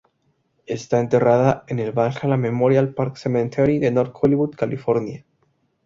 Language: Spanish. Está enterrada en el "Valhalla Memorial Park Cemetery" de North Hollywood, California.